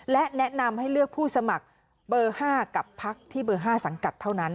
และแนะนำให้เลือกผู้สมัครเบอร์๕กับพักที่เบอร์๕สังกัดเท่านั้น